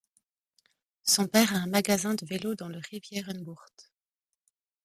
Son père a un magasin de vélos dans le Rivierenbuurt.